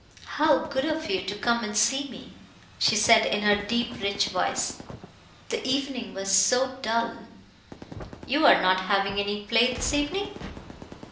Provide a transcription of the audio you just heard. "How good of you to come and see me," she said in her deep, rich voice. "The evening was so dull." "You are not having any play this evening?"